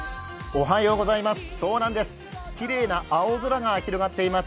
きれいな青空が広がっています。